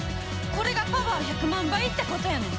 これがパワー１００万倍ってことやねん！